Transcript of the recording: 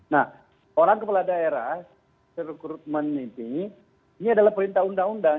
nah orang kepala daerah ini adalah perintah undang undang